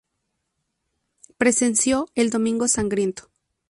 Presenció el Domingo Sangriento.